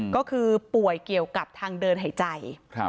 ก็คือป่วยเกี่ยวกับทางเดินหายใจ